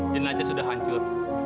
jenajah sudah hancur